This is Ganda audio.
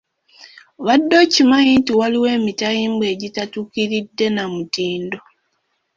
Obadde okimanyi nti waliwo emitayimbwa egitatuukiridde na mutindo